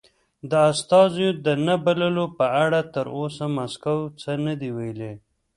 د استازیو د نه بللو په اړه تر اوسه مسکو څه نه دې ویلي.